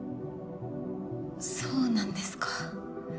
そうなんですか。